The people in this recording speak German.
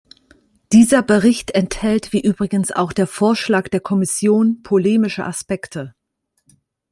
Dieser Bericht enthält wie übrigens auch der Vorschlag der Kommission polemische Aspekte.